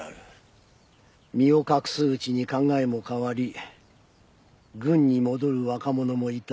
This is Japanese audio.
身を隠すうちに考えも変わり軍に戻る若者もいた。